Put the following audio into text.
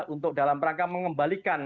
untuk dalam rangka mengembalikan